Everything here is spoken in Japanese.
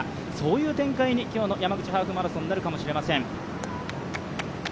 う展開に、今日の山口ハーフマラソンなるかもしれません。